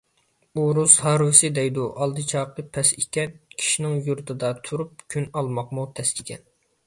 ئۇرۇس ھارۋىسى دەيدۇ ئالدى چاقى پەس ئىكەن. كىشنىڭ يۇرتىدا تۈرۈپ كۈن ئالماقمۇ تەس ئىكەن .